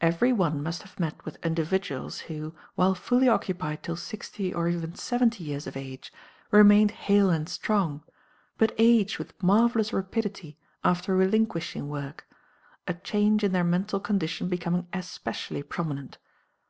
Every one must have met with individuals who, while fully occupied till sixty or even seventy years of age, remained hale and strong, but aged with marvelous rapidity after relinquishing work, a change in their mental condition becoming especially prominent.